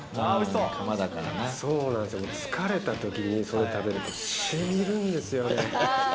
そうなんですよ、疲れたときにそれ食べると、しみるんですよね。